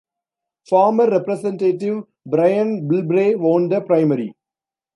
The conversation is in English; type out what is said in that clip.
Former Representative Brian Bilbray won the primary.